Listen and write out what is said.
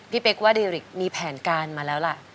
เป๊กว่าเดริกมีแผนการมาแล้วล่ะ